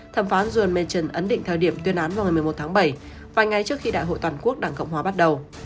thẩm phán john menton ấn định thời điểm tuyên án vào ngày một mươi một tháng bảy vài ngày trước khi đại hội toàn quốc đảng cộng hòa bắt đầu